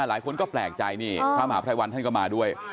หลายคนก็แปลกใจนี่พระมหาภัยวันท่านก็มาด้วย